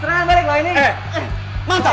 jangan sampai ketinggalan zaman mereka toh